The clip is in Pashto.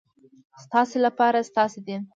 ستاسې لپاره ستاسې دین.